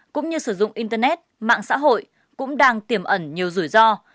cũng như sử dụng internet mạng xã hội cũng đang tiềm ẩn nhiều rủi ro